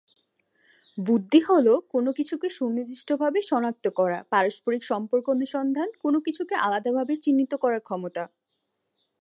বুদ্ধি হল কোন কিছুকে সুনির্দিষ্টভাবে শনাক্ত করা, পারস্পারিক সম্পর্ক অনুসন্ধান, কোন কিছুকে আলাদাভাবে চিহ্নিত করার ক্ষমতা।